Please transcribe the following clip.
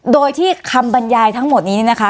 โดยที่คำบรรยายทั้งหมดนี้นี่นะคะ